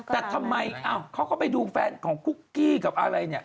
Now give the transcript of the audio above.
แต่ทำไมเขาก็ไปดูแฟนของคุกกี้กับอะไรเนี่ย